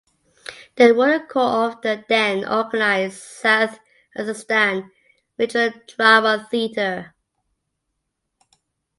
They were the core of the then organized South Kazakhstan regional drama theater.